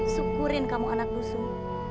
syukurin kamu anak musuh